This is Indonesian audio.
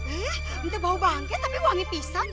eh entah bau bangke tapi wangi pisang